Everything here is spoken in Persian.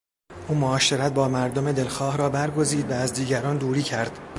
او معاشرت با مردم دلخواه را برگزید و از دیگران دوری کرد.